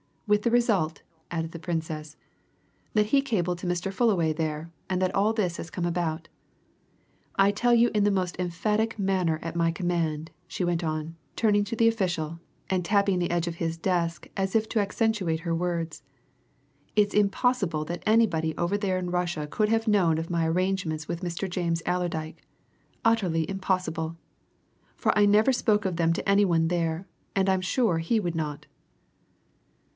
With the result," added the Princess, "that he cabled to Mr. Fullaway there and that all this has come about! I tell you in the most emphatic manner at my command," she went on, turning to the official, and tapping the edge of his desk as if to accentuate her words, "it's impossible that anybody over there in Russia could have known of my arrangements with Mr. James Allerdyke utterly impossible. For I never spoke of them to any one there, and I'm sure he would not!"